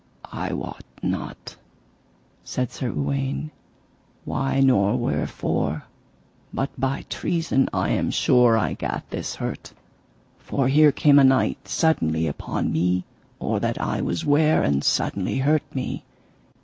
I wot not, said Sir Uwaine, why nor wherefore, but by treason I am sure I gat this hurt; for here came a knight suddenly upon me or that I was ware, and suddenly hurt me.